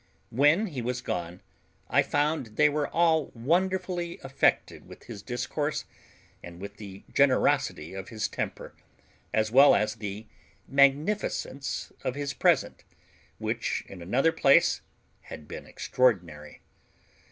When he was gone I found they were all wonderfully affected with his discourse, and with the generosity of his temper, as well as the magnificence of his present, which in another place had been extraordinary.